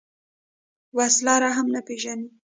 وسله رحم نه پېژني